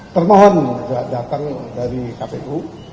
termohon datang dari kpu